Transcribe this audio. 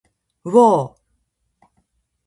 うおっ。